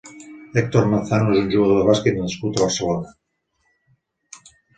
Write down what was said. Héctor Manzano és un jugador de bàsquet nascut a Barcelona.